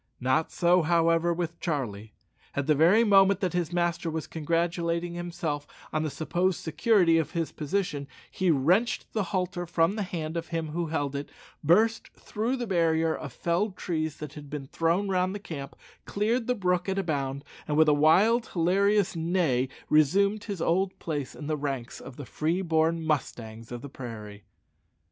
Not so, however, with Charlie. At the very moment that his master was congratulating himself on the supposed security of his position, he wrenched the halter from the hand of him who held it, burst through the barrier of felled trees that had been thrown round the camp, cleared the brook at a bound, and with a wild hilarious neigh resumed his old place in the ranks of the free born mustangs of the prairie.